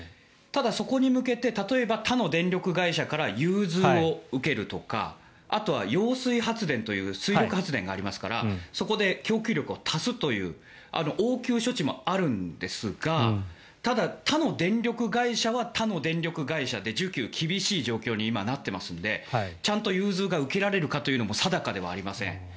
ただ、そこに向けて他の電力会社から融通を受けるとかあとは揚水発電という水力発電がありますからそこで供給力を足すという応急処置もあるんですがただ、他の電力会社は他の電力会社で需給、厳しい状況に今なっていますのでちゃんと融通が受けられるかも定かではありません。